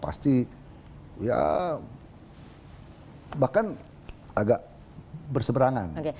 pasti ya bahkan agak berseberangan